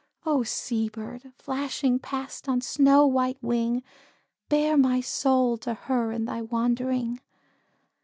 Oh! sea bird, flashing past on snow white wing, Bear my soul to her in thy wandering.